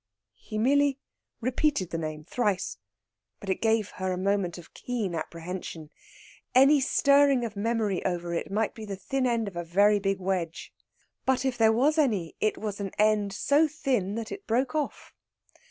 He merely repeated the name thrice, but it gave her a moment of keen apprehension. Any stirring of memory over it might be the thin end of a very big wedge. But if there was any, it was an end so thin that it broke off.